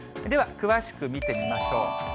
では、詳しく見てみましょう。